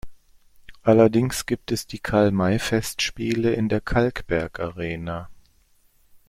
Allerdings gibt es die Karl-May-Festspiele in der Kalkbergarena.